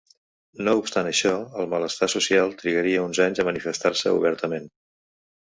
No obstant això, el malestar social trigaria uns anys a manifestar-se obertament.